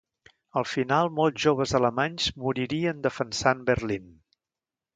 Al final, molts joves alemanys moririen defensant Berlín.